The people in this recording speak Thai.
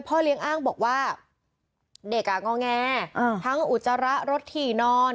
พ่อเลี้ยงอ้างบอกว่าเด็กอ่ะงอแงทั้งอุจจาระรถถี่นอน